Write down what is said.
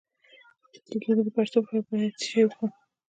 د ګیډې د پړسوب لپاره باید څه شی وخورم؟